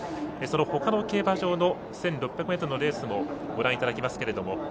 ほかの競馬場の１６００ｍのレースもご覧いただきます。